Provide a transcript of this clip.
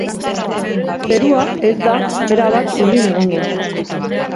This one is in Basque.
Zerua ez da erabat urdin egongo.